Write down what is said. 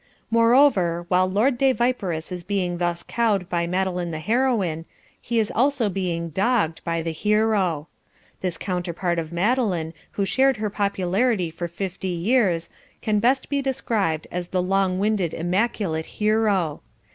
Moreover while Lord de Viperous is being thus cowed by Madeline the Heroine, he is also being "dogged" by the Hero. This counterpart of Madeline who shared her popularity for fifty years can best be described as the Long winded Immaculate Hero.